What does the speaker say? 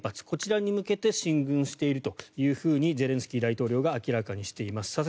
こちらに向けて進軍しているとゼレンスキー大統領が明らかにしています。